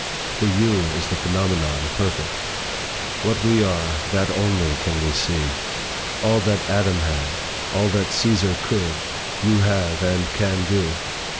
For you is the phenomenon perfect. What we are, that only can we see. All that Adam had, all that Caesar could, you have and can do.